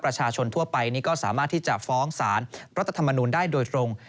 ประชาชนทั่วไปนี่ก็สามารถที่จะฟ้องสารรัฐธรรมนูลได้โดยตรง